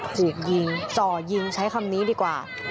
ถูกยิงจ่อยิงใช้คำนี้ดีกว่า